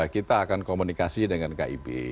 kita akan komunikasi dengan kib